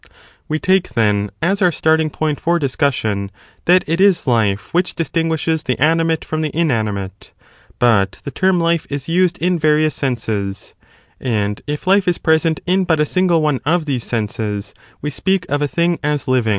We take, then, as our starting point for discussion that it is life 2 which distinguishes the animate from the inanimate. But the term life is used in various senses; and, if life is present in but a λέγομεν etiam Them. Philop. Soph. {τὴν ἀρχὴν Alex. 1.